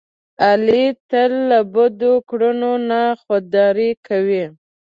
علي تل له بدو کړنو نه خوداري کوي.